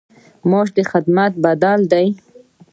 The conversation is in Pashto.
معاش د خدمت بدل دی